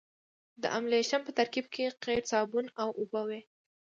د املشن په ترکیب کې قیر صابون او اوبه وي